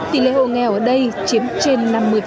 tỷ lệ hộ nghèo ở đây chiếm trên năm mươi